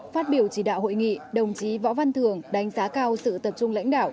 phát biểu chỉ đạo hội nghị đồng chí võ văn thường đánh giá cao sự tập trung lãnh đạo